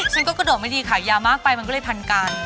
ฉันก็กระโดดไม่ดีขายยามากไปมันก็เลยพันกัน